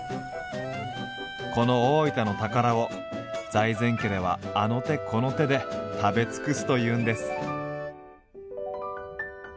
この大分の宝を財前家ではあの手この手で食べ尽くすというんです。